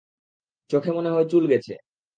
চোখে মনে হয় চুল গেছে।